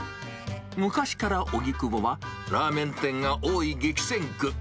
昔から荻窪は、ラーメン店が多い激戦区。